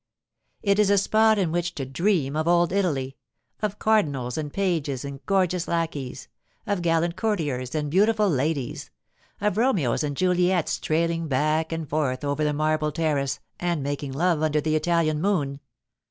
It is a spot in which to dream of old Italy, of cardinals and pages and gorgeous lackeys, of gallant courtiers and beautiful ladies, of Romeos and Juliets trailing back and forth over the marble terrace and making love under the Italian moon.